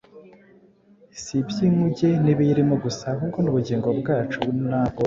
si iby’inkuge n’ibiyirimo gusa, ahubwo n’ubugingo bwacu nabwo,